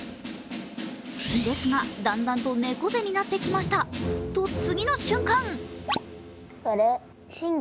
ですがだんだんと猫背になってきました、と次の瞬間。